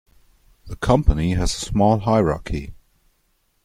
The company has a small hierarchy.